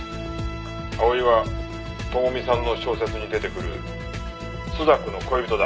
「葵は智美さんの小説に出てくる朱雀の恋人だ」